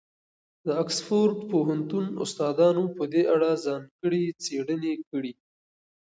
د اکسفورډ پوهنتون استادانو په دې اړه ځانګړې څېړنې کړي.